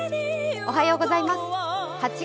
おはようございます。